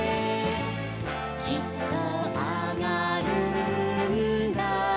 「きっとあがるんだ」